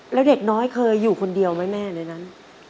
แล้วเด็กน้อยเคยอยู่คนเดียวไหมแม่ในนั้น